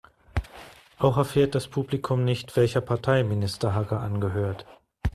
Auch erfährt das Publikum nicht, welcher Partei Minister Hacker angehört.